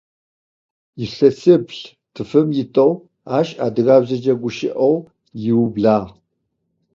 Илъэсиплӏ-тфым итэу ащ адыгабзэкӏэ гущыӏэу ыублагъ.